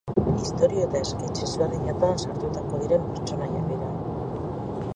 Istorio eta esketx ezberdinetan sartuko diren pertsonaiak dira.